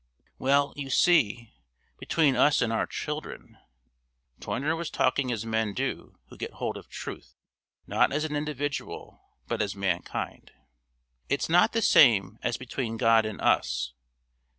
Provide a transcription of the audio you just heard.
Well, you see, between us and our children" (Toyner was talking as men do who get hold of truth, not as an individual, but as mankind) "it's not the same as between God and us.